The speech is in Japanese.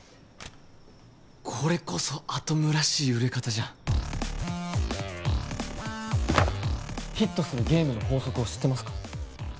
これこそアトムらしい売れ方じゃんヒットするゲームの法則を知ってますか？